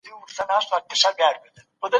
موږ د خپل وزن په نورمال ساتلو مصروفه یو.